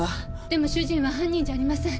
でも主人は犯人じゃありません。